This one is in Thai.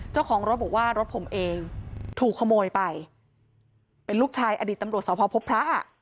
เจ้าของรถบอกว่ารถผมเองถูกขโมยไปเป็นลูกชายอดีตตำรวจสพพบพระ